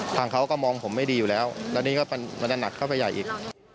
ทางเขาก็มองผมไม่ดีอยู่แล้วแล้วนี่ก็มันจะหนักเข้าไปใหญ่อีก